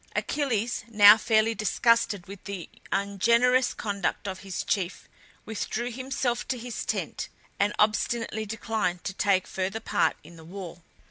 Achilles, now fairly disgusted with the ungenerous conduct of his chief, withdrew himself to his tent, and obstinately declined to take further part in the war.